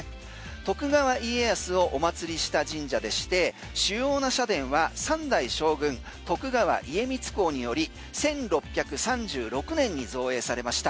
徳川家康ををお祀りした神社でして主要な社殿は３大将軍徳川家光公により１６３６年に造営されました。